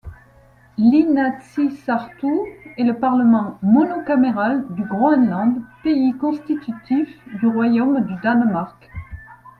L'Inatsisartut est le parlement monocaméral du Groenland, pays constitutif du royaume du Danemark.